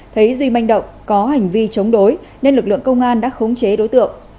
thấy duy manh động có hành vi chống đối nên lực lượng công an đã khống chế đối tượng